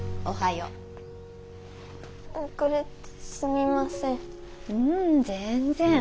ううん全然。